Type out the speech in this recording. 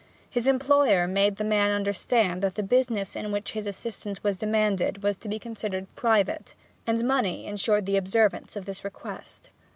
His employer made the man understand that the business in which his assistance was demanded was to be considered private, and money insured the observance of this request.